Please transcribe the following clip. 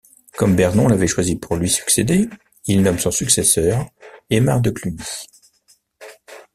Comme Bernon l’avait choisi pour lui succéder, il nomme son successeur, Aimar de Cluny.